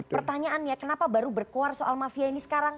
pertanyaannya kenapa baru berkuar soal mafia ini sekarang